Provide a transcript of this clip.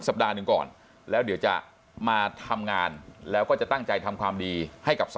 มาช่วยงานช่วยรัฐการณ์ตำรวจครับ